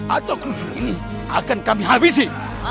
atau konflik ini akan kami habisi